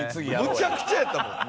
むちゃくちゃやったもん。